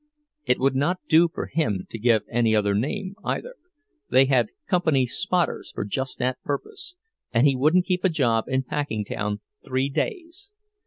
It would not do for him to give any other name, either—they had company "spotters" for just that purpose, and he wouldn't keep a job in Packingtown three days.